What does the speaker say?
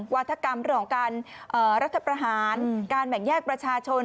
วัฒกรรมเรื่องของการรัฐประหารการแบ่งแยกประชาชน